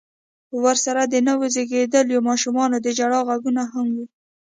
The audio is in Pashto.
ورسره د نويو زيږېدليو ماشومانو د ژړا غږونه هم و.